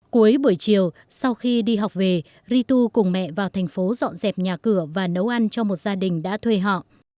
cuối buổi chiều sau khi đi học về ritu cùng mẹ vào thành phố dọn dẹp nhà cửa và nấu ăn cho một gia đình đã thuê họ